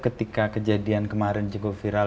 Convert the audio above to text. ketika kejadian kemarin cukup viral